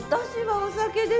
お酒です